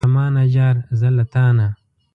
ته له مانه جار، زه له تانه.